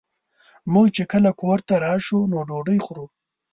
مونږ چې کله کور ته راشو نو ډوډۍ خورو